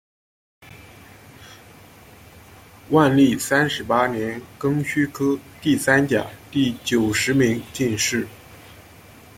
万历三十八年庚戌科第三甲第九十名进士。